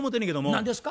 何ですか？